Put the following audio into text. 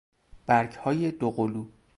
برگهای دوقلو